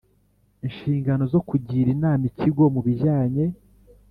inshingano zo kugira inama Ikigo mu bijyanye